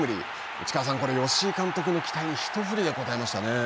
内川さん、これ、吉井監督の期待に一振りで応えましたね。